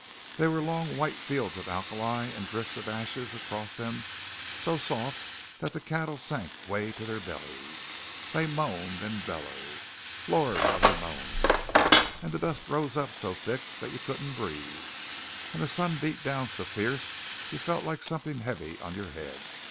"There were long white fields of alkali and drifts of ashes across them so soft that the cattle sank way to their bellies. They moaned and bellowed! Lord, how they moaned! And the dust rose up so thick you couldn't breathe, and the sun beat down so fierce you felt it like something heavy on your head.